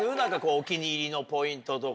お気に入りのポイントとか。